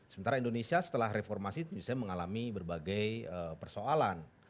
sementara indonesia setelah reformasi mengalami berbagai persoalan